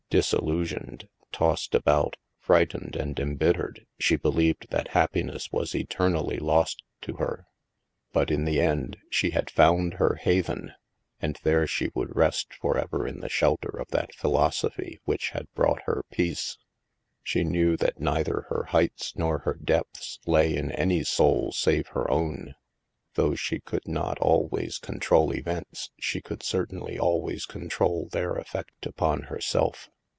Disillusioned, tossed about, frightened, and embit tered, she believed that happiness was eternally lost to her. But in the end, she had found her haven, and there she would rest forever in the shelter of that philos ophy which had brought her peace. She knew that 296 THE MASK neither her heights nor her depths lay in any soul save her own. Though she could not always con trol events, she could certainly always control their effect upon herself.